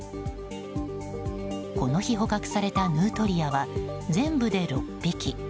この日捕獲されたヌートリアは全部で６匹。